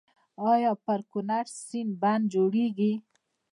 آیا پر کنړ سیند بند جوړیږي؟